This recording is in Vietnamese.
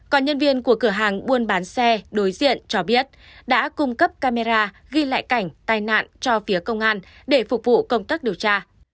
còn nhân viên của cửa hàng buôn bán xe đối diện cho biết đã cung cấp camera ghi lại cảnh tai nạn cho phía công an để phục vụ công tác điều tra